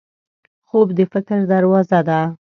خوب د فکر دروازه ده